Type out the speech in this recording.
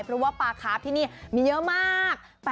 เพราะว่าปลาคาร์ฟที่นี่มีเยอะมาก